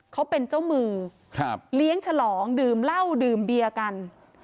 เขาเป็นเจ้ามือเลี้ยงฉลองดื่มเหล้าดื่มเบียร์กัน